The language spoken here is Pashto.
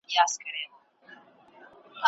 په پلي تګ کې د چا مینه نه کمېږي.